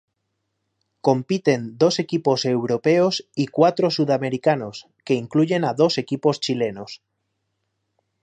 Compiten dos equipos europeos y cuatro sudamericanos que incluyen a dos equipos chilenos.